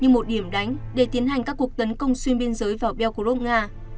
như một điểm đánh để tiến hành các cuộc tấn công xuyên biên giới vào belgrov nga